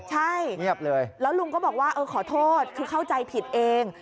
ใช่แล้วลุงก็บอกว่าขอโทษคือเข้าใจผิดเอง